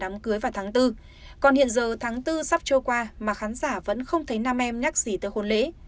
nam em cũng đã khoe rằng cô sẽ làm đám cưới vào tháng bốn còn hiện giờ tháng bốn sắp trôi qua mà khán giả vẫn không thấy nam em nhắc gì tới hôn lễ